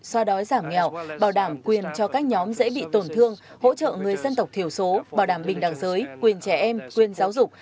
xoa đói giảm nghèo bảo đảm quyền cho các nhóm dễ bị tổn thương hỗ trợ người dân tộc thiểu số bảo đảm bình đẳng giới quyền trẻ em quyền giáo dục